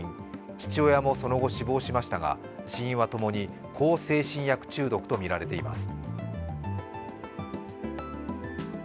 父親もその後、死亡しましたが、死因は共に向精神薬中毒とみられています。